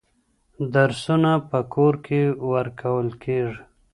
درسونه په کور کي ورکول کېږي.